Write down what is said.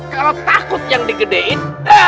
kalau takut yang digedein